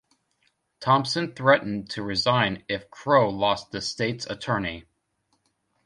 Thompson threatened to resign if Crowe lost the state's attorney.